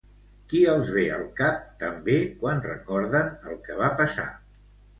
Qui els ve al cap també quan recorden el que va passar?